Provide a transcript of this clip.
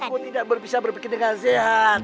aku tidak bisa berpikir dengan sehat